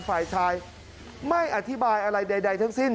ฝ่ายชายไม่อธิบายอะไรใดทั้งสิ้น